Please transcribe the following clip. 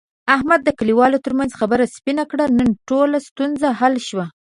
احمد د کلیوالو ترمنځ خبره سپینه کړه. نن ټوله ستونزه حل شوه.